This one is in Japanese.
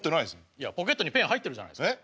いやポケットにペン入ってるじゃないですか。